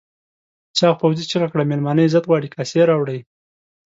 چاغ پوځي چیغه کړه مېلمانه عزت غواړي کاسې راوړئ.